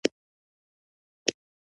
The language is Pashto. مخکينۍ پښې به يې تر زنګنو په شګو کې ننوتې.